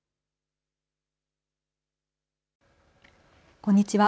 こんにちは。